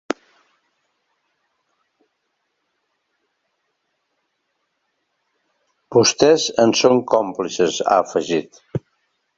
Vostès en són còmplices, ha afegit.